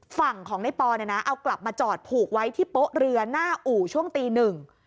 ฝั่งของในปอเนี่ยนะเอากลับมาจอดผูกไว้ที่โป๊ะเรือหน้าอู่ช่วงตีหนึ่ง